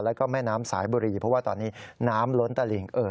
แล้วก็แม่น้ำสายบุรีเพราะว่าตอนนี้น้ำล้นตะหลิงเอ่อ